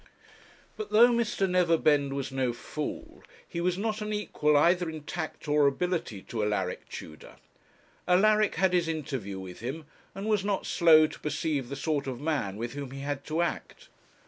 But though Mr. Neverbend was no fool, he was not an equal either in tact or ability to Alaric Tudor. Alaric had his interview with him, and was not slow to perceive the sort of man with whom he had to act.